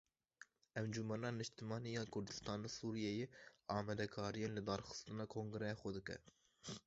Encumena Niştimanî ya Kurdistana Sûriyeyê amadekariyên lidarxistina kongreya xwe dike.